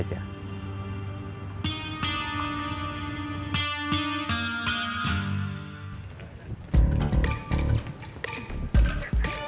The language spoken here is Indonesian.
saya mau belajar